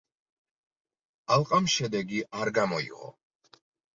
ალყამ შედეგი არ გამოიღო.